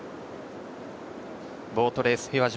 ボートレース平和島